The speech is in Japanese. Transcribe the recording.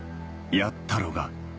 「やったろが！」